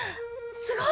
すごい！